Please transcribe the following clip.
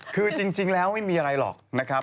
คือจริงแล้วไม่มีอะไรหรอกนะครับ